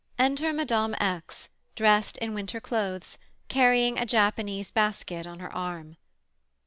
Enter Mme. X., dressed in winter clothes, carrying a Japanese basket on her arm.